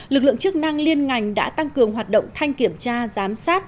lực lượng chức năng liên ngành đã tăng cường hoạt động thanh kiểm tra giám sát